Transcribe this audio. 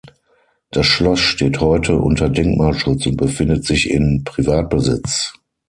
Das Schloss steht heute unter Denkmalschutz und befindet sich in Privatbesitz.